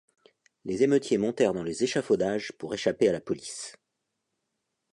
Les émeutiers montèrent dans les échafaudages pour échapper à la police.